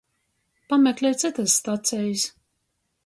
Pameklej cytys stacejis!